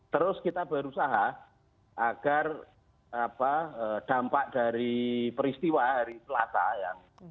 terus kita berusaha agar dampak dari peristiwa hari selasa yang